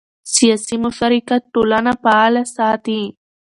سیاسي مشارکت ټولنه فعاله ساتي